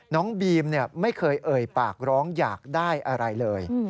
น้องบีมไม่เคยเอ่ยปากร้องอยากได้อะไรเลย